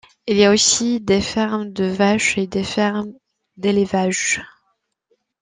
Il y a aussi des fermes de vaches et des fermes d'élevage.